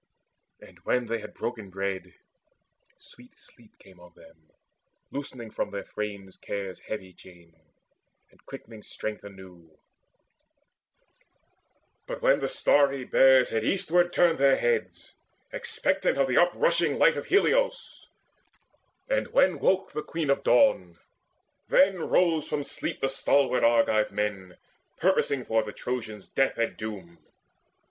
And, when they had broken bread, Sweet sleep came on them, loosening from their frames Care's heavy chain, and quickening strength anew But when the starry Bears had eastward turned Their heads, expectant of the uprushing light Of Helios, and when woke the Queen of Dawn, Then rose from sleep the stalwart Argive men Purposing for the Trojans death and doom.